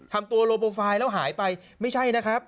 ทำตัวโลโปรไฟล์แล้วหายไปไม่ใช่นะครับ